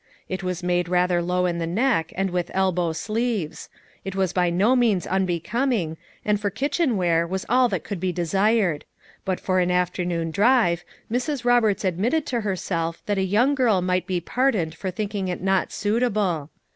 It was made rather low in the neck and with elhow sleeves ; it was by no means unbecoming, and for kitchen wear was all that could be desired ; but for an afternoon drive, Mrs. Roberts admitted to her self that a young girl might be pardoned for thinking it not suitable.